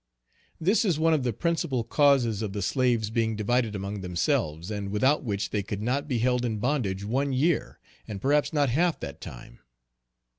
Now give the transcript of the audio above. This is one of the principal causes of the slaves being divided among themselves, and without which they could not be held in bondage one year, and perhaps not half that time.